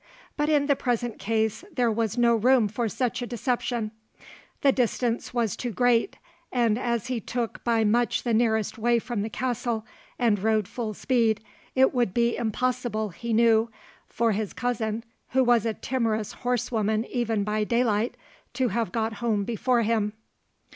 But in the present case there was no room for such a deception; the distance was too great, and as he took by much the nearest way from the castle, and rode full speed, it would be impossible, he knew, for his cousin, who was a timorous horsewoman even by daylight, to have got home before him.